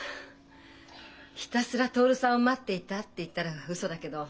「ひたすら徹さんを待っていた」って言ったらウソだけど。